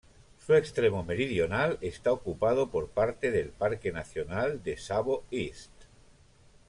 Su extremo meridional está ocupado por parte del parque nacional de Tsavo East.